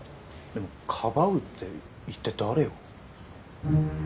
でもかばうって一体誰を？